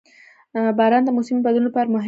• باران د موسمي بدلون لپاره مهم دی.